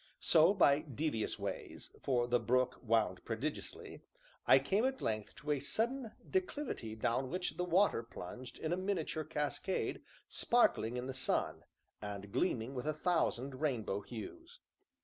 So, by devious ways, for the brook wound prodigiously, I came at length to a sudden declivity down which the water plunged in a miniature cascade, sparkling in the sun, and gleaming with a thousand rainbow hues.